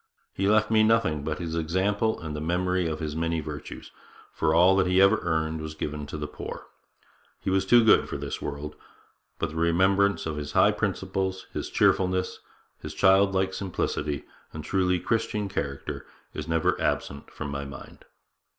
He left me nothing but his example and the memory of his many virtues, for all that he ever earned was given to the poor. He was too good for this world; but the remembrance of his high principles, his cheerfulness, his childlike simplicity and truly Christian character, is never absent from my mind.'